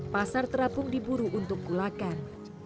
pasar terapung diburu untuk gulakan